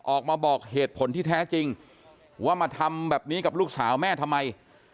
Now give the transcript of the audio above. ออกมาบอกเหตุผลที่แท้จริงว่ามาทำแบบนี้กับลูกสาวแม่ทำไม